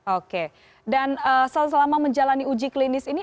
oke dan selama menjalani uji klinis ini